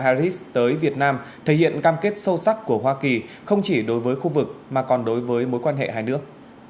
phó tổng thống kamala harris tới việt nam thể hiện cam kết sâu sắc của hoa kỳ không chỉ đối với khu vực mà còn đối với mối quan hệ hai nước